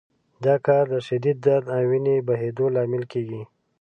دا کار د شدید درد او وینې بهېدو لامل کېږي.